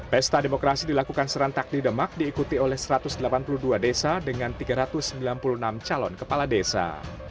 pesta demokrasi dilakukan serentak di demak diikuti oleh satu ratus delapan puluh dua desa dengan tiga ratus sembilan puluh enam calon kepala desa